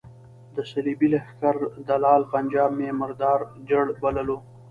د صلیبي لښکر دلال پنجاب مې مردار جړ بللو.